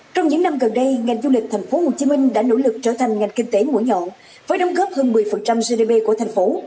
trong những năm gần đây ngành du lịch tp hcm đã nỗ lực trở thành ngành kinh tế mũi nhọn với đồng góp hơn một mươi gdp của thành phố